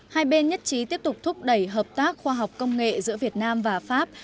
hai bên nhất trí tiếp tục thúc đẩy hợp tác khoa học công nghệ giữa việt nam và pháp